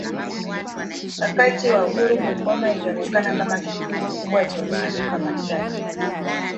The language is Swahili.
Wakati wa uhuru Bungoma ilionekana kama kijiji kikubwa chenye maduka machache.